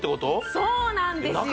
そうなんですよ